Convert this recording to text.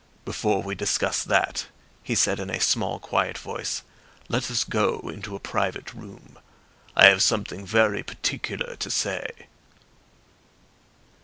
"Before we discuss that," he said in a small, quiet voice, "let us go into a private room. I have something very particular to say."